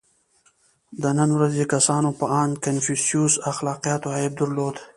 • د نن ورځې کسانو په اند کنفوسیوس اخلاقیاتو عیب درلود.